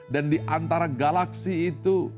dan diantara galaksi itu